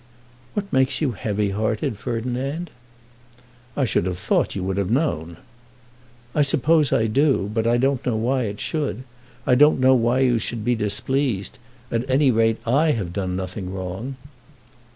"What makes you heavy hearted, Ferdinand?" "I should have thought you would have known." "I suppose I do know, but I don't know why it should. I don't know why you should be displeased. At any rate, I have done nothing wrong."